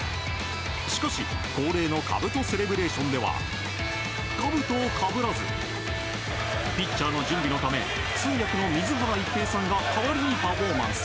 しかし、恒例のかぶとセレブレーションではかぶとをかぶらずピッチャーの準備のため通訳の水原一平さんが代わりにパフォーマンス。